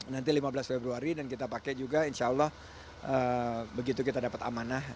nanti lima belas februari dan kita pakai juga insya allah begitu kita dapat amanah